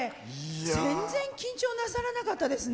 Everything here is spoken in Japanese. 全然緊張なさらなかったですね。